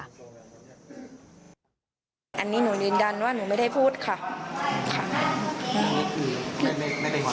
อันนี้หนูยืนยันว่าหนูไม่ได้พูดค่ะ